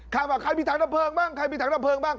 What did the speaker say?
ว่าใครมีถังดับเพลิงบ้างใครมีถังดับเพลิงบ้าง